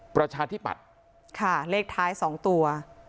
ประชาธิปัตย์ค่ะเลขท้าย๒ตัว